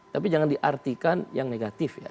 tapi jangan diartikan yang negatif ya